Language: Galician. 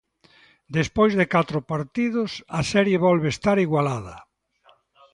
Despois de catro partidos, a serie volve estar igualada.